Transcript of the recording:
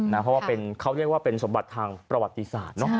เพราะว่าเขาเรียกว่าเป็นสมบัติทางประวัติศาสตร์